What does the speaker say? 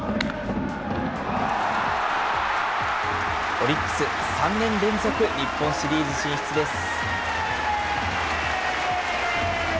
オリックス、３年連続日本シリーズ進出です。